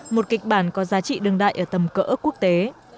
một kịch bản có giá trị đương đại ở tầm cỡ quốc tế